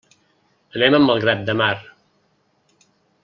Anem a Malgrat de Mar.